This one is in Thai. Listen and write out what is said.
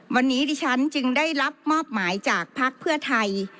วันนี้ดิฉันจึงได้รับมอบหมายจากภักดิ์เพื่อไทย